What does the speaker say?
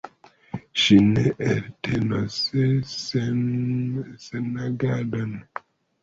Ŝi ne eltenos senagadon.